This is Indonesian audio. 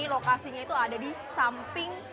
lokasinya itu ada di samping